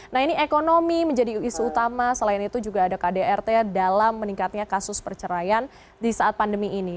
nah ini ekonomi menjadi isu utama selain itu juga ada kdrt dalam meningkatnya kasus perceraian di saat pandemi ini